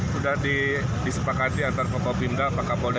sudah disepakati antara bapak binda dan pak kapolda